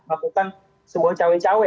melakukan sebuah cawi cawi